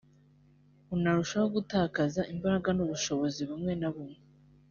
unarushaho gutakaza imbaraga n’ubushobozi bumwe na bumwe